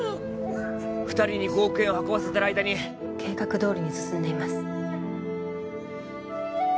二人に５億円を運ばせてる間に計画どおりに進んでいます